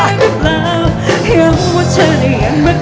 นี่มันชุดชาติ